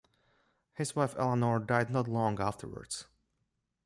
His wife Eleanor died not long afterwards.